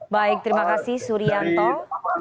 baik terima kasih surianto